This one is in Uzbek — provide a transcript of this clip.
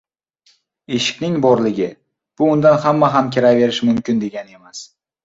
• Eshikning borligi, bu — undan hamma ham kiraverishi mumkin degani emas.